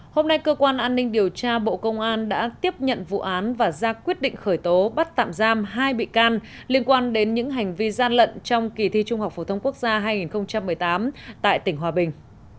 hôm nay cơ quan an ninh điều tra bộ công an đã tiếp nhận vụ án và ra quyết định khởi tố bắt tạm giam hai bị can liên quan đến những hành vi gian lận trong kỳ thi trung học phổ thông quốc gia hai nghìn một mươi tám tại tỉnh hòa bình